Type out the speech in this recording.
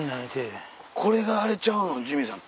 これがあれちゃうのジミーさん。